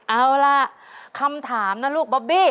เอาล่ะคำถามนะลูกบอบบี้